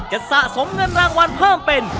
สะสมเงินรางวัลเพิ่มเป็น